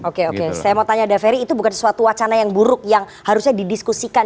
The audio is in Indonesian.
oke oke saya mau tanya daveri itu bukan sesuatu wacana yang buruk yang harusnya didiskusikan